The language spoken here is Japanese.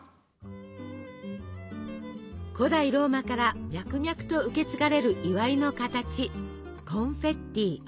古代ローマから脈々と受け継がれる祝いの形コンフェッティ。